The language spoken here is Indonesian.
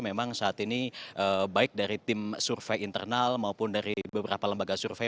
memang saat ini baik dari tim survei internal maupun dari beberapa lembaga survei